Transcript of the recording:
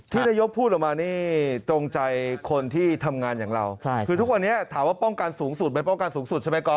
นายกพูดออกมานี่ตรงใจคนที่ทำงานอย่างเราคือทุกวันนี้ถามว่าป้องกันสูงสุดไหมป้องกันสูงสุดใช่ไหมก๊อ